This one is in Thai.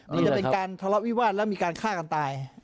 มันจะเป็นการทะเลาะวิวาสแล้วมีการฆ่ากันตาย